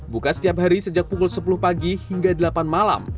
buka setiap hari sejak pukul sepuluh pagi hingga delapan malam